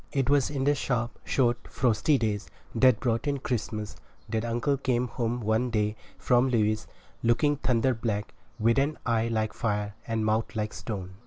It was in the sharp, short, frosty days that brought in Christmas that uncle came home one day from Lewes, looking thunder black, with an eye like fire and a mouth like stone.